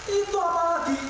itu apa lagi